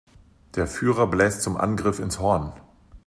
Der Führer bläst zum Angriff ins Horn.